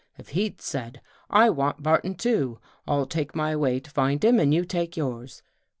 If he'd said ' I want Barton, too. I'll take my way to find him and you take yours.